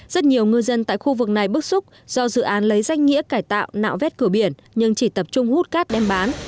rất nhiều ngư dân tại khu vực này bức xúc do dự án lấy danh nghĩa cải tạo nạo vét cửa biển nhưng chỉ tập trung hút cát đem bán